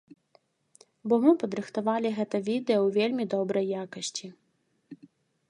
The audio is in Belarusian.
Бо мы падрыхтавалі гэта відэа ў вельмі добрай якасці.